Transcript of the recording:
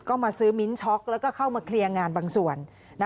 ก็มาซื้อมิ้นท็อกแล้วก็เข้ามาเคลียร์งานบางส่วน